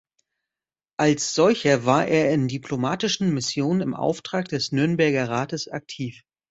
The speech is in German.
Als solcher war er in diplomatischen Missionen im Auftrag des Nürnberger Rates aktiv.